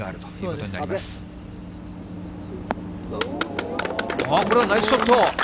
これはナイスショット。